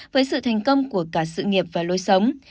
với sự thành công của cả sự nghiệp và lối sống